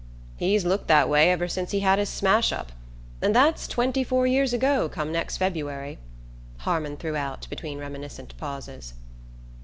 "He's looked that way ever since he had his smash up; and that's twenty four years ago come next February," Harmon threw out between reminiscent pauses.